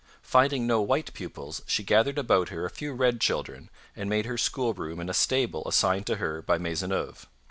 Finding no white pupils, she gathered about her a few red children, and made her school room in a stable assigned to her by Maisonneuve.